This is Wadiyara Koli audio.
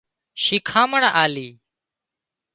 شيکامڻ آلي